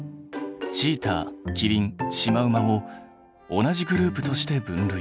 チーターキリンシマウマを同じグループとして分類。